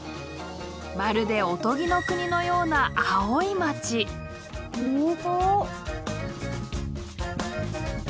まるでおとぎの国のような本当。